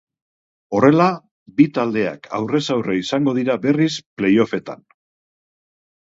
Horrela, bi taldeak aurrez aurre izango dira berriz play-offetan.